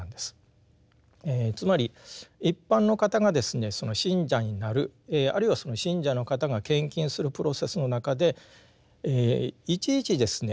つまり一般の方がですねその信者になるあるいはその信者の方が献金するプロセスの中でいちいちですね